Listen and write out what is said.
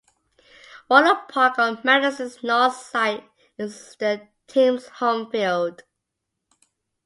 Warner Park on Madison's North side is the team's home field.